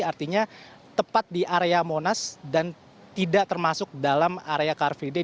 artinya tepat di area monas dan tidak termasuk dalam area car free day